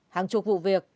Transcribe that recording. hàng chục vụ việc